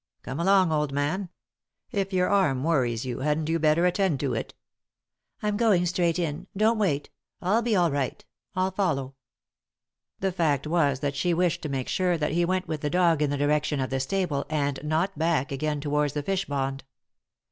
Come along, old man. If your arm worries you, hadn't you better attend to it ?" "I'm going straight in. Don't wait— I'll be all right— I'll follow." The fact was that she wished to make sure that he went with the dog in the direction of the stable, and not back again towards the fishpond.